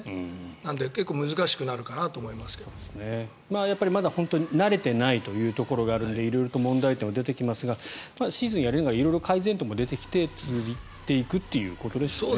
なので結構難しくなるのかなと思いますけどまだ慣れてないというところがあるので色々と問題点は出てきますがシーズンやれば色々、改善点が出てきて続いていくということですね。